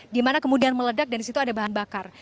di mana kemudian meledak dan disitu ada bahan bakar